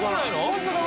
ホントだ。